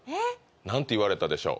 何て言われたでしょう